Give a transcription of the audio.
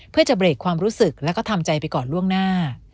เพื่อจะเบรกความรู้สึกแล้วก็ทำใจไปก่อนล่วงหน้า